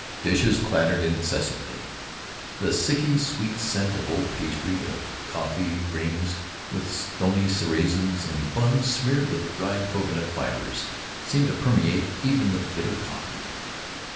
Dishes clattered incessantly. The sicky sweet scent of old pastry, of coffee rings with stony raisins and buns smeared with dried cocoanut fibers, seemed to permeate even the bitter coffee.